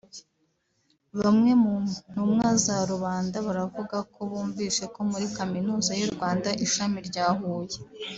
Bamwe mu ntumwa za rubanda baravuga ko bumvise ko muri Kaminuza y’u Rwanda ishami rya Huye